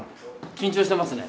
緊張してますね。